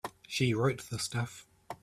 She wrote the stuff.